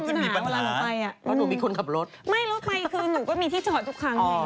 ที่หนูเคยบอกไปอ่า